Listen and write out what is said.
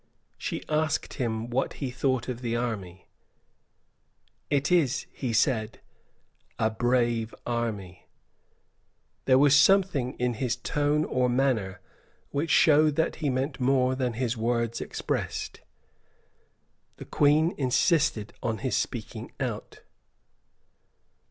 She asked him what he thought of the army. "It is," he said, "a brave army." There was something in his tone or manner which showed that he meant more than his words expressed. The Queen insisted on his speaking out.